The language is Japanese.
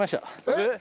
えっ！